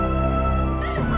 akhirnya diri saya